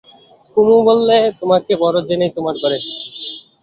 কুমু বললে, তোমাকে বড়ো জেনেই তোমার ঘরে এসেছি।